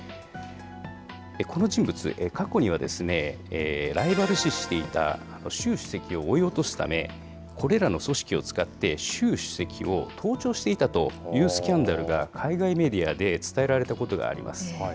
この人物、過去には、ライバル視していた習主席を追い落とすため、これらの組織を使って、習主席を盗聴していたというスキャンダルが海外メディアで伝えられたことがあります。